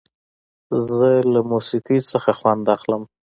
زه له موسیقۍ نه خوند اخلم.